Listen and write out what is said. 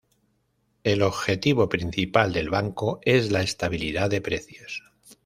El objetivo principal del Banco es la estabilidad de precios.